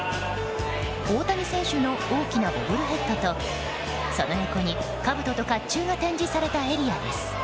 大谷選手の大きなボブルヘッドとその横に、かぶとと甲冑が展示されたエリアです。